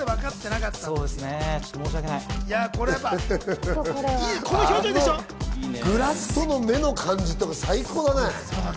あのグラスとの目の感じとか最高だね。